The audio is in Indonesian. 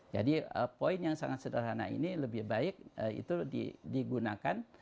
jadi poin yang sangat sederhana ini lebih baik itu digunakan